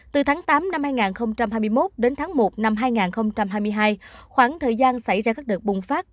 từ tháng tám năm hai nghìn hai mươi một đến tháng một năm hai nghìn hai mươi hai khoảng thời gian xảy ra các đợt bùng phát